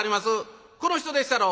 この人でっしゃろ？